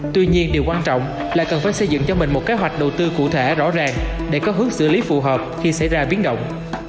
tuy nhiên điều quan trọng là cần phải xây dựng cho mình một kế hoạch đầu tư cụ thể rõ ràng để có hướng xử lý phù hợp khi xảy ra biến động